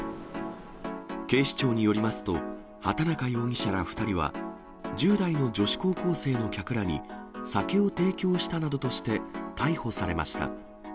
警視庁によりますと、畑中容疑者ら２人は、１０代の女子高校生の客らに酒を提供したなどとして逮捕されました。